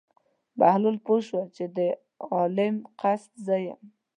بهلول پوه شو چې د عالم قصد زه یم.